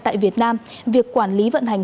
tại việt nam việc quản lý vận hành